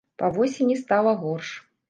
Па восені стала горш.